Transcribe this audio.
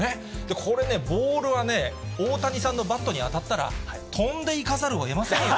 これね、ボールはね、大谷さんのバットに当たったら、飛んでいかざるをえませんよ。